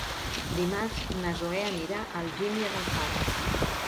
Dimarts na Zoè anirà a Algímia d'Alfara.